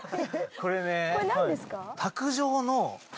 これ何ですか？